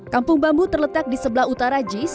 kampung bambu terletak di sebelah utara jis